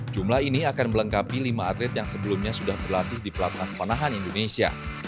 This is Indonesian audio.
jumlah ini akan melengkapi lima atlet yang sebelumnya sudah berlatih di pelatnas panahan indonesia